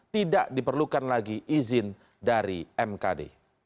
tidak diperlukan lagi izin dari mkd